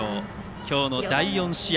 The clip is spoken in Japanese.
今日の第４試合